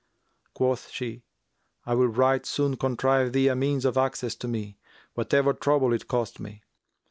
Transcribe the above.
Quoth she, 'I will right soon contrive thee a means of access to me, whatever trouble it cost me.'